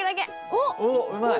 おっうまい。